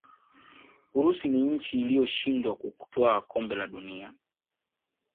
urusi ni nchi iliyoshindwa kutwaa kombe la dunia